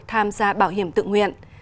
tham gia bảo hiểm tự nguyện